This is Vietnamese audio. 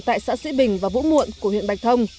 tại xã sĩ bình và vũ muộn của huyện bạch thông